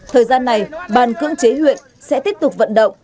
thời gian này ban cưỡng chế huyện sẽ tiếp tục vận động